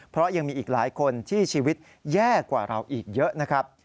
เพราะยังมีอีกหลายคนที่ชีวิตแย่กว่าเราอีกเยอะนะครับ